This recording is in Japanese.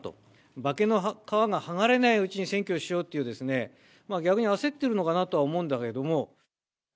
化けの皮が剥がれないうちに選挙をしようというですね、逆に焦ってるのかなとは思うんだけども。